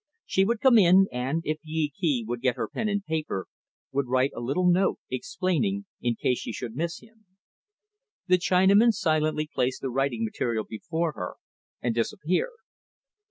She would come in, and, if Yee Kee would get her pen and paper, would write a little note, explaining in case she should miss him. The Chinaman silently placed the writing material before her, and disappeared.